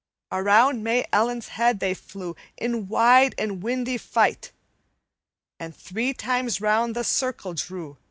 "Around May Ellen's head they flew In wide and windy fight, And three times round the circle drew.